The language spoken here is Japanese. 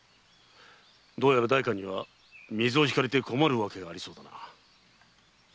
どうやら代官には水を引かれて困るわけがありそうだ。